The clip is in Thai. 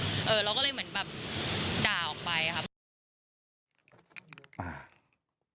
เราก็เลยเหมือนแบบด่าออกไปครับ